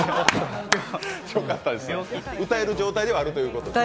よかったです、歌える状態ではあるということですね。